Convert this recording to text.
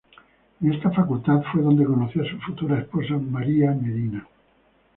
En esta facultad fue donde conoció a su futura esposa María Medina.